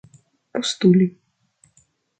postuli